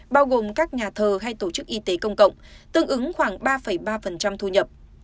bao gồm các nhà thờ hay tổ chức y tế công cộng tương ứng khoảng ba ba thu nhập